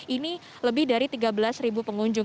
ini lebih dari tiga belas pengunjung